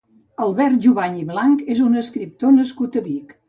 Albert Juvany i Blanch és un escriptor nascut a Vic.